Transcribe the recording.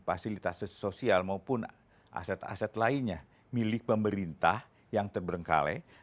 fasilitas sosial maupun aset aset lainnya milik pemerintah yang terberengkale